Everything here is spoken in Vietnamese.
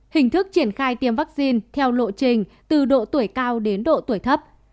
hình thức triển khai tiêm vaccine theo lộ trình từ độ tuổi cao đến độ tuổi thấp